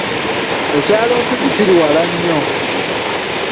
Ekyalo Mpigi kiri wala nnyo.